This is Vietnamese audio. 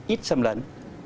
ít sâm lấn